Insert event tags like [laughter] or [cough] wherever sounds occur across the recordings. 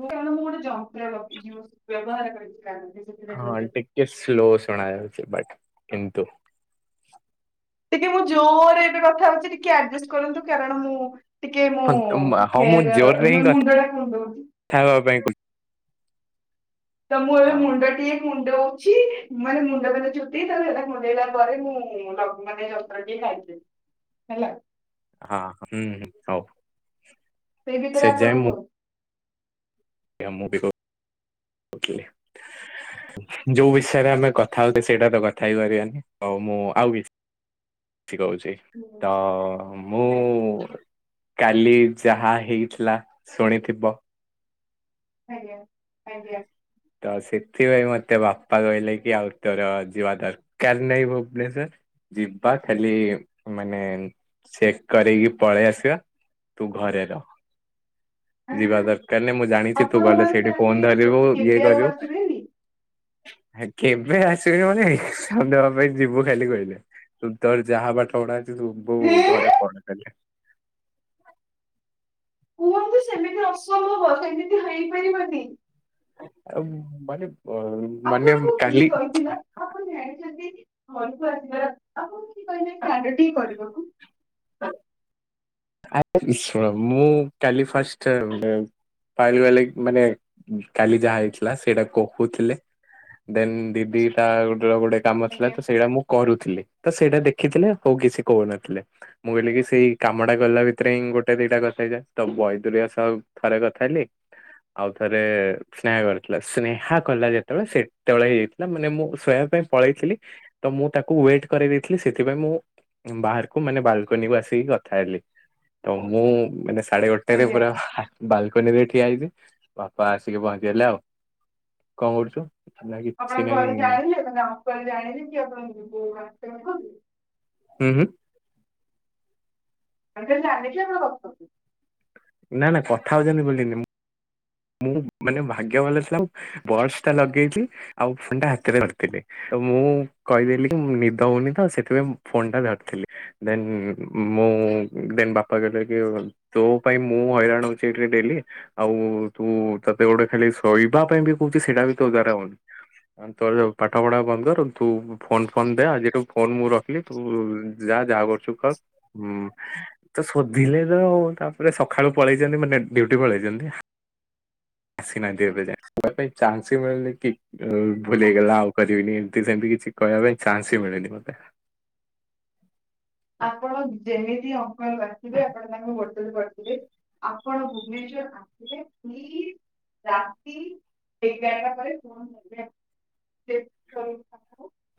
ମୁଁ କାରଣ ମୁଁ ଗୋଟେ ଯନ୍ତ୍ର ରଖିଚି ବ୍ୟବହାର [unintelligible] ହଁ ଟିକେ ସ୍ଲୋ ଶୁଣା ଯାଉଚି, ବଟ୍ କିନ୍ତୁ ଟିକେ ମୁଁ ଜୋରରେ ଏବେ କଥା ହଉଚି, ଟିକେ ଆଡଜଷ୍ଟ କରନ୍ତୁ କାରଣ ମୁଁ ଟିକେ ମୁଁ ହଁ ତମ- ହଁ ମୁଁ ଜୋରରେ ହେୟାର୍ ହିଁ କଥା ମୁଣ୍ଡଟା କୁଣ୍ଡୋଉଚି। [inaudible] ତ ମୁଁ ଏବେ ହଁ ମୁଣ୍ଡଟି କୁଣ୍ଡୋଉଚି ମାନେ ମୁଣ୍ଡ ମାନେ ଚୁଟି ତାକୁ [unintelligible] କୁଣ୍ଡେଇଲା ପରେ ମୁଁ ଲ ମାନେ [unintelligible] ହେଲା। ହଁ-ହଁ ହୁଁ-ହୁଁ ହଉ। ସେଇ ସେ ଭିତେରେ ଯାଏ ଆପଣ ମୁଁ କୁହନ୍ତୁ। ମୁଁ ବି କହୁଥିଲି ଯୋଉ ବିଷୟରେ ଆମେ କଥା ହଉ ସେଇଟା ତ କଥା ହି ପାରିବାନି, ଆଉ ମୁଁ ଆଉ କିଛି କହୁଚି। ହୁଁ। ତ ମୁଁ କାଲି ଯାହା ହେଇଥିଲା ଶୁଣିଥିବ? ଆଜ୍ଞା-ଆଜ୍ଞା। ତ ସେଥିପାଇଁ ମତେ ବାପା କହିଲେ କି ଆଉ ତୋର ଯିବା ଦରକାର୍ ନାହିଁ ଭୁବନେଶ୍ଵର। ଯିବା ଖାଲି ମାନେ ଚେକ୍ କରେଇକି ପଳେଇ ଆସିବା। ତୁ ଘରେ ରହ। ଯିବା ଦରକାର୍ ନାଇଁ, ମୁଁ ଜାଣିଚି ତୁ ଆପଣ ଗଲେ ମାନେ ସେଇଠି ତାହେଲେ ଫୋନ୍ ଗ- ଧରିବୁ ଇଏ କେବେ ଆଉ କରିବୁ। ଆସିବେନି? କେବେ [unintelligible] ମାନେ [unintelligible] ପାଇଁ ଯିବୁ ଖାଲି କହିଲେ। ତୁ ତୋର ଯାହା ପାଠପଢ଼ା ଅଛି ତୁ [unintelligible] ହେଁ ଘରେ ପଢ [unintelligible] କୁହନ୍ତୁ ସେମିତି ଅସମ୍ଭବ, ସେମିତି ହେଇପାରିବନି। ଆଉ ମାନେ ଅ ଆପଣଙ୍କୁ କିଏ କହିଥିଲା, ଆପଣ ଜାଣିଚନ୍ତି ଘରୁକୁ ଆସିବାର [unintelligible] କିଏ କହିଲେ କଣ୍ଡଟି କରିବାକୁ? ଆରେ ଶୁଣ, ମୁଁ କାଲି ଫାଷ୍ଟ [unintelligible] ଲାଗି ମାନେ କାଲି ଯାହା ହେଇଥିଲା ସେଇଟା କହୁଥିଲେ। ଦେନ୍ ଦିଦି ଟା ଗୋଟେ କାମ ଥିଲା ଆଜ୍ଞା ତ ସେଇଟା ମୁଁ କରୁଥିଲେ ତ ସେଇଟା ଦେଖିଥିଲେ ଆଉ କିଛି କହୁନଥିଲେ, ମୁଁ କହିଲି କି ସେଇ କାମ ଟା କଲା ଭିତରେ ହିଁ ଗୋଟେ ଦିଟା କଥା ହେଇଯାଏ, ତ ବୈଦୁରିଆ ସହ ଥରେ କଥାହେଲି। ଆଉ ଥରେ ସ୍ନେହ କରିଥିଲା, ସ୍ନେହା କଲା ଯେତେବେଳେ ସେତବଳେ ହେଇଯାଇଥିଲା ମାନେ ମୁଁ ଶହବା ପାଇଁ ପଳେଇଥିଲି ତ ମୁଁ ତାକୁ ୱେଟ୍ କରିଦେଇଥିଲି, ସେଥିପାଇଁ ମୁଁ ବାହାରକୁ ମାନେ ବାଲକୋନି କୁ ଆସିକି କଥା ହେଲି। ତ ମୁଁ ମାନେ ସାଢେ ଗୋଟାଏ ରେ ଆଜ୍ଞା ପୁରା ବାଲକନି ରେ ଠିଆ ହେଇଚି, ବାପା ଆସିକି ପହଞ୍ଚିଗଲେ ଆଉ, କଣ କରୁଚୁ? ଆପଣଙ୍କ ଘରେ ଜାଣିଲେ, ନା ଅଙ୍କଲ୍ ଜାଣିଲେ କି ଆପଣଙ୍କୁ [unintelligible] ହୁଁ, ହୁଁ। ଚାଲି ଚାଲି ଯା ଦେଖିଆ କଁ [unintelligible] ନା, ନା କଥା ହଉଛନ୍ତିି ବୋଲିି, ମୁ ମୁଁ ମାନେ, ଭାଗ୍ୟ ଭଲ ଥିଲା, ବସ ଟା ଲଗେଇଚି। ଆଉ ଫନ୍ ଟା ହାତରେ ରଖିଥିଲି। ତ ମୁଁ କହିଦେଲି କି, ନିଦ ହଉନି ତ, ସେଥିପାଇଁ ଫୋନ ଟା ଧରିଥିଲି। ଦେନ୍ ମୁଁ, ଦେନ୍ ବାପା କହିଲେ କି ଆଉ ତୋ ପାଇଁ ମୁଁ ହଇରାଣ ହଉଚି ଏଠରେ ଡେଲି ଆଉ ତୁ, ତତେ ଗୋଟେ ଖାଲି ଶୋଇବା ପାଇଁ ବି କହୁଛି ସେଇଟା ବି ତୋ ଦ୍ୱାରା ହଉନି। ତୋ ପାଠ ପଢ଼ା ବନ୍ଦରୁ ତୁ ଫୋନ ଫୋନ ଦେ ଆଜିଠୁ ଫୋନ ମୁଁ ରଖିଲି, ତୁ ଯା ଯାହା କରୁଛୁ କର, ଉଁ ତ ଶୋଧିଲେ ତ, ତାପରେ ସକାଳୁ ପଳେଇଚନ୍ତି ମାନେ ଡ୍ୟୁଟି ପଳେଇଚନ୍ତି। ଆସିନାନ୍ତି ଏବେ ଯାଏଁ, କହିବା ପାଇଁ ଚାନ୍ସ ହିଁ ମିଳୁନି, କି ଭୁଲହେଇଗଲା ଆଉ ନି, ଏମିତି ସେମିତି କିଛି କହିବା ପାଇଁ, ଚାନ୍ସ ବି ମିଳେନି ମତେ। ଆପଣ ଯେମିତି ଅଙ୍କନ ଆସିବେ, ଆପଣ ତାଙ୍କ ଗୋ ଡ ତଳେ ପଡ଼ିଯିବେ, ଆପଣ ଭୁବନେଶର ଆସିବେ, ପ୍ଲିଜ୍ ରାତି ଏଗାରଟା ପରେ, [unintelligible]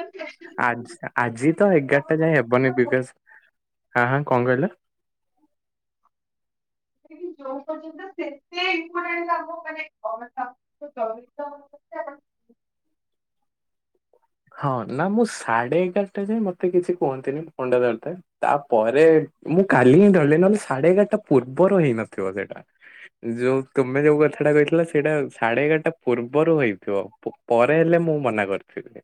ଆଜ୍ ଆଜି ତ ଏଗାରଟା ଯାଏ ହେବନି ବିଦେଶ ହଁ, କଁ କହିଲ? ଯୋଉ ପର୍ଯ୍ୟନ୍ତ ସେତେ ଇମ୍ପୋ ଟାଣ୍ଟ ତାଙ୍କୁ ମାନେ [unintelligible] [unintelligible] ହଁ, ନା ମୁଁ ସାଢେ ଏଗାରଟା ଯାଏଁ, ମତେ କିଛି କୁହନ୍ତିନି, ଫୋନ୍ ଟା ଧରିଥାଏ। ତାପରେ, ମୁଁ କାଲି ହିଁ ଧରିଲି ନଲେ ସାଢେ ଏଗାରଟା ପୂର୍ବରୁ ହେଇନଥିବ ସେଇଟା। ଯୋଉ ତୁମେ, ଯୋଉ କଥା ଟା କହିଥିଲ, ସେଇଟା ସାଢେ ଏଗାରଟା ପୂର୍ବରୁ ହେଇଥିବ। ପରେ ହେଲେ, ମୁଁ ମନା କରିଥିବି।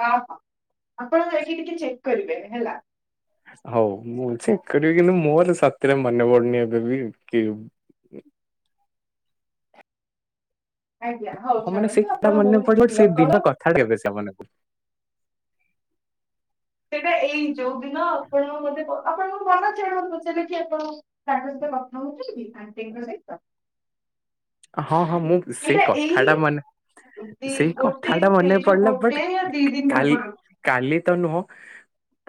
ଅ ହ, ଆପଣ ଏଇଠି ଟିକେ ଚେକ୍ କରିବେ ହେଲା। ହଉ, ମୁଁ ଚେକ୍ କରିବି କିନ୍ତୁ ମୋର ସତରେ ମନେପଡୁନି ଏବେ ବି କି ଆଜ୍ଞା ହଉ ହଁ ମାନେ ସେଇ ଛାଡ଼ନ୍ତୁ କଥା ଆପଣ ପଡୁ ବହୁତ ପଡୁ ଭଲ ସେଇ କଣ ଦିନ କଥା [unintelligible] ସେଇଟା ଏଇ ଯୋଉ ଦିନ ଆପଣ ମତେ ଆପଣଙ୍କୁ ମନେ ଅଛି ଏଇଟା ମତେ ପଚାରିଲେ କି, ଆପଣ ତାଙ୍କ ସହିତ କଥା ହଉଛନ୍ତି କି ଆଣ୍ଟିଙ୍କ ସହିତ। ହଁ, ହଁ ମୁଁ ସେଇ ଏଇଟା କଥା ଏଇ ଟା ମାନେ ଦି ସେଇ କଥା ଗୋଟେ ଟା ସେ ମନେ ଯୋଉ ପଡିଲା, ବଟ ଗୋଟେ ୟା ଦି ଦିନ କାଲି ପୂର୍ବରୁ କାଲି ତ ନୁହଁ,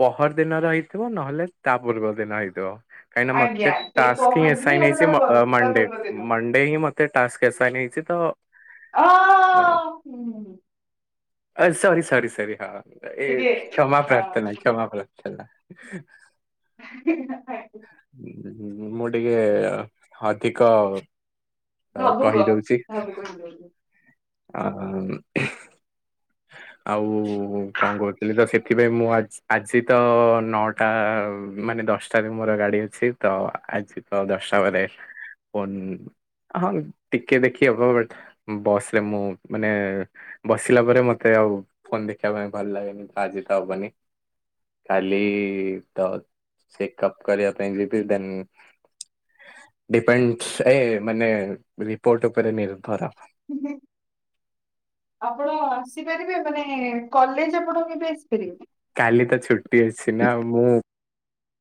ପହର ଦିନ ର ହେଇଥିବ ନହେଲେ ତା ପୂର୍ବ ଦିନ ହେଇଥିବ। କାଇଁ ନା ମତେ ଆଜ୍ଞା ସେଇ ଟାସ୍କିଂ ପହରଦିନ ଆସାଇନ ୟା ହେଇଛି ତା ପର ତା ମଣ୍ଡେ ପୂର୍ବ ଦିନ ମ ଣ୍ଡେ ହିଁ, ମତେ ଟାସ୍କ ଆସାଇଁନ ହେଇଚି ତ ଅ ହୁଁ ଆ ସର ସରି, ସରି, ହଁ ଏ ଟିକେ କ୍ଷମା ପ୍ରାର୍ଥନା କ୍ଷମା ପ୍ରା [unintelligible] [unintelligible] ମୁଁ ଟିକେ ଅଧିକ ଭାବୁକ କହିଦଉଚି। ଭାବୁକ ହେଇଯାଉଛି। ଆ ଉଁ। ଆଉ କଣ କହୁଥିଲି ତ ସେଥିପାଇଁ ମୁଁ ଆଜି ଆଜି ତ ନଅଟା ମାନେ ଦଶଟାରେ ମୋର ଗାଡ଼ି ଅଛି ତ ଆଜି ହ ଦଶ୍ଟା ମାନେ ଫୋନ୍ ହଁ ଟିକେ ଦେଖି ହବ ବଟ୍ ବସ ରେ ମୁଁ ମାନେ ବସିଲା ପରେ ମ ମତେ ଆଉ ଫୋନ ଦେଖିବା ପାଇଁ ଭଲ ଲାଗେନି ତ ଆଜି ତ ହବନି। କାଲି ତ ଚେକ ଅପ କରିବା ପାଇଁ ଯିବି ଦେନ୍ ଡିପେଣ୍ଡସ ଏ ମାନେ ରିପୋର୍ଟ ଉପରେ ନିର୍ଭର। ଆପଣ ଆସିପାରିବେ ମାନେ କଲେଜ ଆପଣ କେବେ ଆସିପାରିବେ? କାଲି ତ ଛୁଟି ଅଛି ନା, ମୁଁ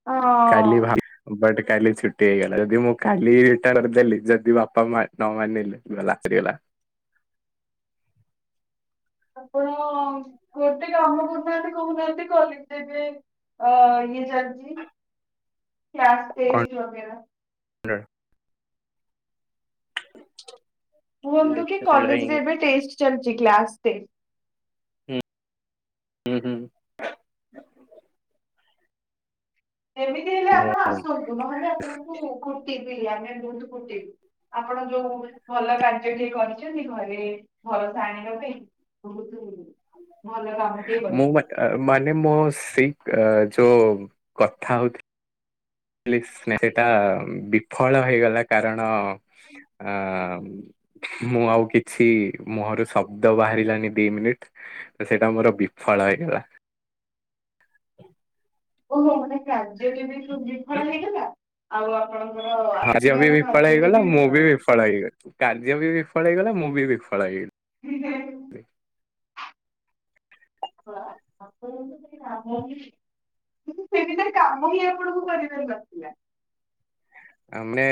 ହଁ, କାଲି ଭ ବଟ୍ କାଲି ଛୁଟି ହେଇଗଲା ଯଦି ମୁଁ କାଲି [unintelligible] ଦେଲି ଯଦି ବାପା ମା ନ ମାନିଲେ ଗଲା ସରିଗଲା। ଆପଣ ଗୋଟେ କାମ କରୁନାହାନ୍ତି କହୁନାହାନ୍ତି [unintelligible] ଦେବେ। ଅ ଇଏ ଚାଲିଚି କ୍ଲାସ୍ ଟେଷ୍ଟ ଲଗେଇବା। ହ କୁହନ୍ତୁ କି ଦେଖିଆ ସେଇଟା ହିଁ କଲେଜରେ ଏବେ ଟେଷ୍ଟ ଚାଲିଚି କ୍ଲାସ ଟେ ହୁଁ ହୁଁ ହୁଁ। ଏମିତି ହେଲେ ଆପଣ ଆସନ୍ତୁ ନହେଲେ ଆପଣଙ୍କୁ କୁଟିବି ଆମେ ବହୁତ କୁଟିବୁ। ଆପଣ ଯୋଉ ଭଲ କାର୍ଯ୍ୟ ଟିକେ କରିଚନ୍ତି ଘରେ ଭରସା ଆଣିବା ପାଇଁ ବହୁତୁ ଭଲ କାମ ଟିଏ ମୁଁ ମା କରିଛନ୍ତି। ମାନେ ମୋ ସେଇ ଏ ଯୋ କଥା ହଉଥି [unintelligible] ସେଟା ବିଫଳ ହେଇଗଲା କାରଣ ଆ ମୁଁ ଆଉ କିଛି ମୁହଁରୁ ଶବ୍ଦ ବାହାରିଲାନି ଦି ମିନିଟ୍। ତ ସେଇଟା ମୋର ବିଫଳ ହେଇଗଲା। ଓହୋ ମାନେ କାର୍ଯ୍ୟ [unintelligible] ବିିଫଳ ହେଇଗଲା। ଆଉ ଆପଣଙ୍କର କାର୍ଯ୍ୟ ବି ଆସିବାର ବିଫଳ ସାହାଯ୍ୟ ହେଇଗଲା ଟି ମୁଁ [unintelligible] [unintelligible] କାର୍ଯ୍ୟ ବି ବିଫଳ ହେଇଗଲା ମୁଁ ବି ବିଫଳ ହେଇଗଲି। [unintelligible] [unintelligible] କିନ୍ତୁ [unintelligible] କରିପାର ନଥିଲା। ଆ ମାନେ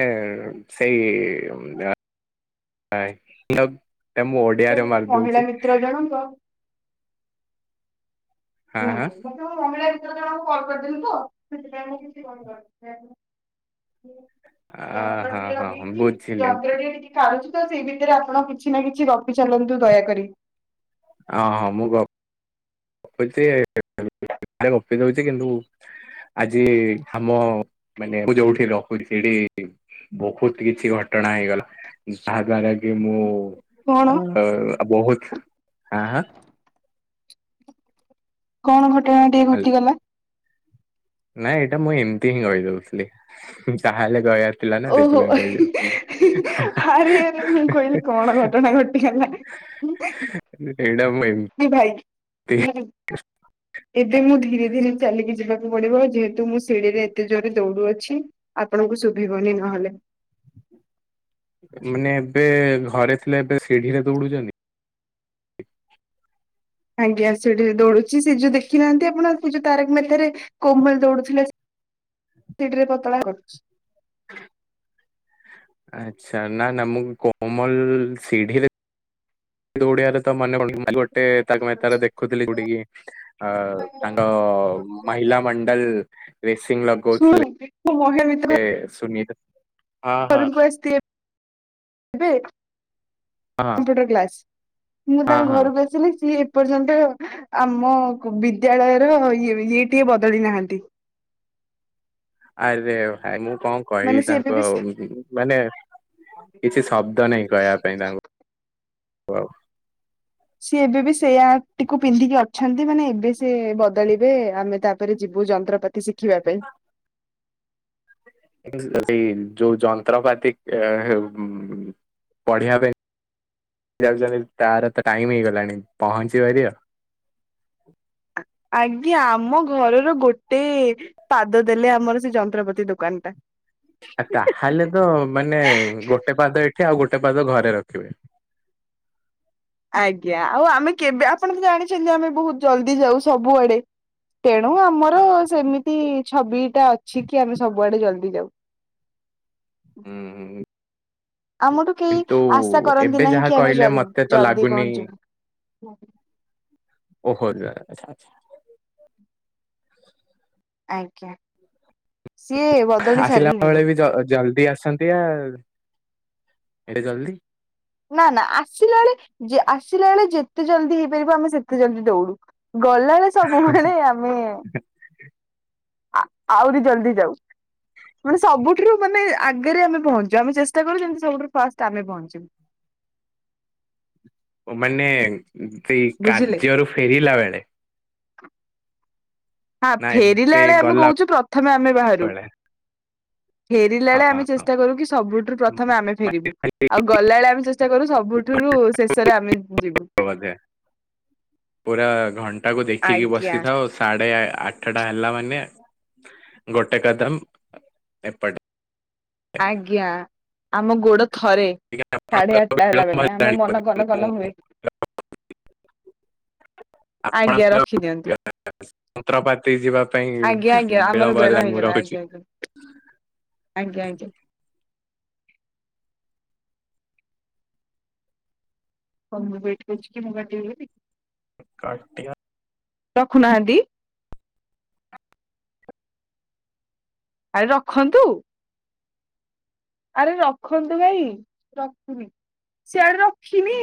ସେଇ [unintelligible] ମୁଁ ସେ ଓଡିଆରେ ମହିଳା ମାରିଦଉଚି। ମିତ୍ର ଜଣଙ୍କ ହଁ ହଁ କୁହନ୍ତୁ ମତେ [unintelligible] ମହିଳା ଦି ତିନି ଜଣଙ୍କୁ କଲ କରିଦେଲି ତ [unintelligible] [unintelligible] ଆ ହଁ ହଁ ହଁ ଲଗେଇଚି ବୁଝିଲେ। [unintelligible] କାରୁଚି ତ ସେଇ ଭିତରେ ଆପଣ କିଛି ନା କିଛି ଗପି ଚାଲନ୍ତୁ ଦୟାକରି। ହଁ ମୁଁ ଗପୁଚି [unintelligible] ଦଉଚି କିନ୍ତୁ ଆଜି ଆମ ମାନେ ମୁଁ ଯୋଉଠି ରହୁଥିଲି ବହୁତ କିଛି ଘଟଣା ହେଇଗଲା ଯାହା ଦ୍ଵାରା କି ମୁଁ କଣ ଆ ବହୁତ ଆଁ କଣ ଘଟଣା ଟିଏ ଘଟିଗଲା? ନାଇଁ ଏଇଟା ମୁଁ ଏମିତି ହିଁ କଇଦଉଥିଲି ତାହାହେଲେ କଇବାର ଥିଲା ନା ଓହୋ ସେଥିପାଇଁ କଇଦଉଥିଲି ହାଁ ହାଁ ଆରେ ଆରେ ମୁଁ କହିଲି ହାଁ। କଣ ଘଟଣା ଘଟିଗଲା। ଏଇଟା ମୁଁ ଏ ଏ ଭାଇ ହୁଁ। ହ ଏବେ ମୁଁ ଧୀରେ ଧୀରେ ଚାଲିକି ଯିବାକୁ ପଡିବ ଯେହେତୁ ମୁଁ ଶିଡିରେ ଏତେ ଜୋରେ ଦୌଡୁ ଅଛି। ଆପଣଙ୍କୁ ଶୁଭିବନି ନହେଲେ। ମାନେ ଏବେ ଘରେ ଥିଲେ ଏବେ ସିଢିରେ ଦୌଡୁଚନ୍ତି। ଆଜ୍ଞା ସିଢି ରେ ଦୌଡୁଚି ସେଇ ଯୋଉ ଦେଖିନାହାନ୍ତି ଆପଣ କୁ ଯୋଉ ତାରକମେହେତା ରେ କୋମଲ ଦୌଡୁଥିଲା ସିଢି ରେ ପତଳା କରୁଛି। ଆଚ୍ଛା ନା ନା ମୁଁ କୋମଲ ସିଢିରେ ଦୌଡିଆର ତ ମନେପଡୁନି ଗୋଟେ ତାରକମେହେତାରେ ଦେଖୁଥିଲି ଯୋଉଟା କି ଅ ତାଙ୍କ ମହିଲା ମଣ୍ଡଲ [unintelligible] ଏ [inaudible] ସୁନିତ ହଁ ହଁ। ଘରକୁ ଆସିଥିଲି ଏବେ ହଁ କମ୍ପୁଟର କ୍ଲାସ ମୁଁ ହଁ ତାଙ୍କ ହଁ ଘରକୁ ଆସିଲି ସିଏ ଏ ପର୍ଯ୍ୟନ୍ତ ଆମ ବିଦ୍ୟାଳୟର ଇଏ ଇଏ ଟିଏ ବଦଳି ନାହାନ୍ତି। [unintelligible] ଆରେ ଭାଇ ମୁଁ କଣ ମାନେ କହିବି ସିଏ ଏବେ ତାଙ୍କୁ ବି ଆଉ ମାନେ କିଛି ଶବ୍ଦ ନାହିଁ କହିବା ପାଇଁ ତାଙ୍କୁ ଆଉ ସିଏ ଏବେ ବି ସେଇଆ ଟିକୁ ପିନ୍ଧିକି ଅଛନ୍ତି ମାନେ ଏବେ ସିଏ ବଦଳିବେ ଆମେ ତାପରେ ଯିବୁ ଯନ୍ତ୍ରପାତି ଶିଖିବା ପାଇଁ। ସେଇ ଯୋଉ ଯନ୍ତ୍ରପାତି ପଢିବା ପାଇଁ ଯାଉଛନ୍ତି ତାର ତ ଟାଇମ ହେଇଗଲାଣି ପହଞ୍ଚି ପାରିଵ। ଆଜ୍ଞା ଆମ ଘରର ଗୋଟେ ପାଦ ଦେଲେ ଆମର ସେ ଯନ୍ତ୍ରପାତି ଦୋକାନଟା। ଆ ତାହେଲେ ତ ମାନେ ଗୋଟେ ପାଦ ଏଠି ଆଉ ଗୋଟେ ପାଦ ଘରେ ରଖିବେ। ଆଜ୍ଞା ଆଉ ଆମେ କେବେ ଆପଣ ତ ଜାଣିଛନ୍ତି ଆମେ ବହୁତ ଜଲଦି ଯାଉ ସବୁଆଡେ। ତେଣୁ ଆମର ସେମିତି ଛବିଟା ଅଛି କି ଆମେ ସବୁଆଡେ ଜଲଦି ଯାଉ। ହୁଁ ହୁଁ। ଆମଠୁ କେହି କିନ୍ତୁ ଆଶା କରନ୍ତି ଏବେ ନାହିଁ ଯାହା କି ଆମେ କହିଲେ ଜଲ ମତେ ତ ଜଲଦି ଲାଗୁନି ପହଞ୍ଚିବୁ। ଓହୋ ଆଛା ଆଛା। ଆଜ୍ଞା ସିଏ ବଦଳି ଆସିଲା ସାରିଲେଣି ବେଳେ ବି ଜଲଦି ଆସନ୍ତି ଆଉ ଏଟେ ଜଲଦି ନା ନା ଆସିଲା ବେଳେ ଆସିଲା ବେଳେ ଯେତେ ଜଲଦି ହେଇପାରିବ ଆମେ ସେତେ ଜଲଦି ଦଉଡୁ। ଗଲାବେଳେ ସବୁବେଳେ ଆମେ ଆହୁରି ଜଲ୍ଦି ଯାଉ। ମାନେ ସବୁଠୁ ମାନେ ଆଗରେ ଆମେ ପହଞ୍ଚୁ ଆମେ ଚେଷ୍ଟା କରୁ ଯେମିତି ସବୁଠୁ ଫାଷ୍ଟ ଆମେ ପହଞ୍ଚିବୁ। ଓ ମାନେ ସେଇ ବୁଝିଲେ। କାର୍ଯ୍ୟରୁ ଫେରିଲା ବେଳେ ହଁ ନା ଫେରିଲା ଏବେ ବେଳେ ଆମେ ଗଲା କହୁଛୁ ପ୍ରଥମେ ଆମେ ବାହାରୁ। ବେଳେ ଫେରିଲା ହଁ ବେଳେ ଆମେ ଚେଷ୍ଟା କରୁ କି ସବୁଠୁ ପ୍ରଥମେ ଆମେ ଫେରିବୁ ଆଉ ଗଲାବେଳେ ଆମେ ଚେଷ୍ଟା କରୁ ସ ସବୁଠୁରୁ ଶେଷରେ ଆମେ ଯିବୁ। ପୁରା ଘଣ୍ଟା କୁ ଦେଖିକି ଆଜ୍ଞା ବସିଥାଅ। ସାଢେ ଆଠଟା ହେଲା ମାନେ ଗୋଟେ କଦମ ଏପଟେ ଆଜ୍ଞା ଆମ ଗୋଡ଼ ଥରେ। ସାଢେ ଆଠଟା ହେଲା ମାନେ ଆମ ମନ କନ କନ ହୁଏ। [unintelligible] ଆଜ୍ଞା ଆପଣଙ୍କ ରଖିଦିଅନ୍ତୁ। [unintelligible] ଯନ୍ତ୍ରପାତି ଯିବା ପାଇଁ ଆଜ୍ଞା ଆଜ୍ଞା ଆମର ବିଳମ୍ବ ବେଳ ହେଲାଣି ମୁଁ ହେଇଗଲା ଆଜ୍ଞା ରହୁଛି। ଆଜ୍ଞା ଆଜ୍ଞା ଆଜ୍ଞା। [unintelligible] କାଟିଆ। ରଖୁନାହାନ୍ତି। ଆରେ ରଖନ୍ତୁ। ଆରେ ରଖନ୍ତୁ ଭାଇ ରଖୁନି ସଆଡେ ରଖିନି।